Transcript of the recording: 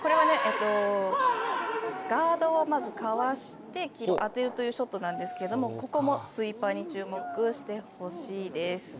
ガードをまずかわして黄色を当てるというショットなんですけれども、ここもスイーパーに注目してほしいです。